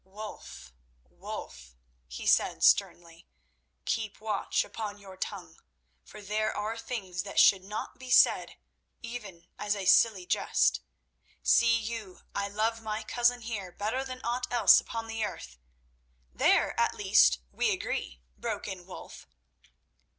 "Wulf, Wulf," he said sternly, "keep watch upon your tongue, for there are things that should not be said even as a silly jest. See you, I love my cousin here better than aught else upon the earth—" "There, at least, we agree," broke in Wulf.